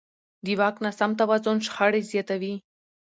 د واک ناسم توازن شخړې زیاتوي